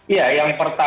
ya yang pertama